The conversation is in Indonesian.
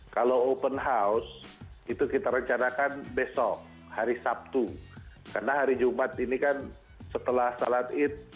kalau open house itu kita rencanakan besok hari sabtu karena hari jumat ini kan setelah salat id